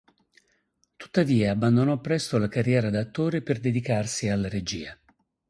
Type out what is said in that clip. Tuttavia abbandonò presto la carriera da attore per dedicarsi alla regia.